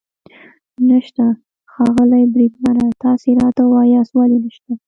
نشته؟ ښاغلی بریدمنه، تاسې راته ووایاست ولې نشته.